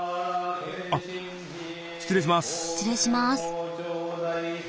あっ失礼します。